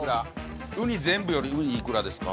ウニ全部よりうにいくらですか？